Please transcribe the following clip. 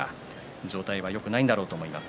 状態はよくないんだろうと思います。